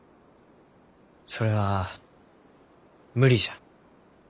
それは無理じゃ。